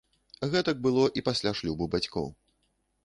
Гэтак было і пасля шлюбу бацькоў.